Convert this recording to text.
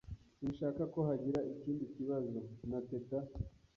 Sinshaka ko hagira ikindi kibazo na Teta.